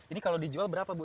ini kalau dijual berapa bu